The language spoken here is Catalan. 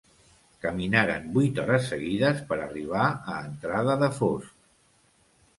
Caminaren vuit hores seguides per arribar a entrada de fosc.